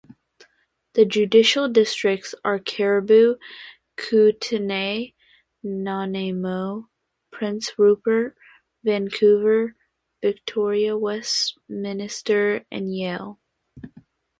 The judicial districts are: Cariboo; Kootenay; Nanaimo; Prince Rupert; Vancouver; Victoria; Westminster; and Yale.